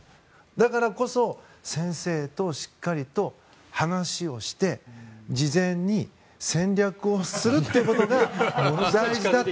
だからこそ先生としっかりと話をして事前に戦略をするということが大事だと。